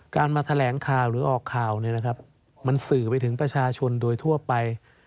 มาแถลงข่าวหรือออกข่าวเนี่ยนะครับมันสื่อไปถึงประชาชนโดยทั่วไป